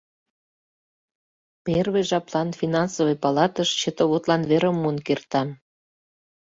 Первый жаплан финансовый палатыш счетоводлан верым муын кертам.